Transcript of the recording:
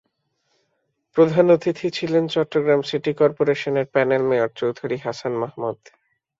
প্রধান অতিথি ছিলেন চট্টগ্রাম সিটি করপোরেশনের প্যানেল মেয়র চৌধুরী হাসান মাহমুদ।